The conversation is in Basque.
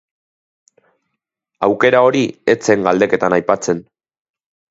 Aukera hori ez zen galdeketan aipatzen.